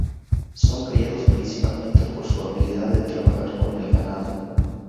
Son criados principalmente por su habilidad de trabajar con el ganado.